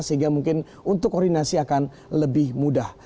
sehingga mungkin untuk koordinasi akan lebih mudah